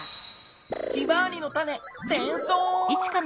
ヒマワリのタネてんそう。